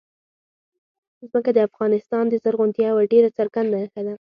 ځمکه د افغانستان د زرغونتیا یوه ډېره څرګنده نښه ده.